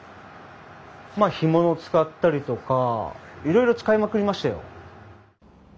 まあ干物使ったりとかいろいろ使いまくりましたよ。